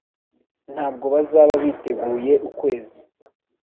Ntabwo bazaba biteguye ukwezi